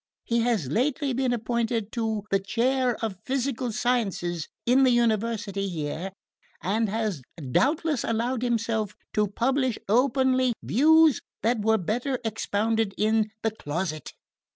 He has lately been appointed to the chair of physical sciences in the University here, and has doubtless allowed himself to publish openly views that were better expounded in the closet.